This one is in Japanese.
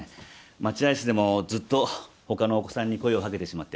待合室でもずっと他のお子さんに声をかけてしまって。